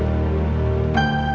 ate bisa menikah